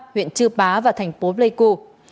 huyện chi bá và thành phố pleiku